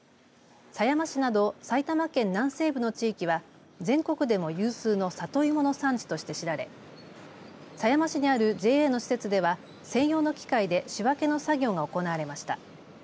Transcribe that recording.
狭山市など埼玉県南西部の地域は全国でも有数の里芋の産地として知られ狭山市にあるＪＡの施設では専用の機械で仕分けの作業が行われました。